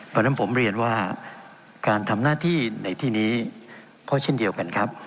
เพราะฉะนั้นผมเรียนว่าการทำหน้าที่ในที่นี้ก็เช่นเดียวกันครับ